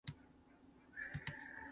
蠓仔叮牛角